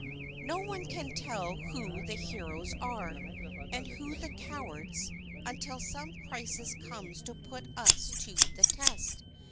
No one can tell who the heroes are, and who the cowards, until some crisis comes to put us to the test.